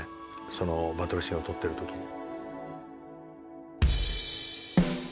そのバトルシーンを撮ってる時に。